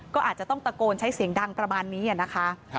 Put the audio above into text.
ก็อาจจะต้องตะโกนใช้เสียงดังประมาณนี้นะคะ